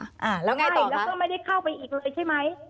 อ่าแล้วไงต่อค่ะแล้วก็ไม่ได้เข้าไปอีกเลยใช่ไหม